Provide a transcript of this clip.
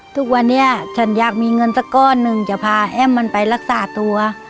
ทุกวันนี้ฉันอยากมีเงินสักก้อนหนึ่งจะพาแอ้มมันไปรักษาตัว